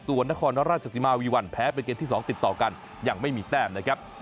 ส่วนนครราชสิมาวีวันแพ้เป็นเกมที่๒ติดต่อกันยังไม่มีแต้มนะครับ